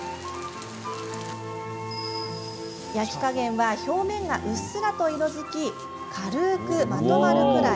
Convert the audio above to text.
焼き加減は表面がうっすらと色づき軽くまとまるくらい。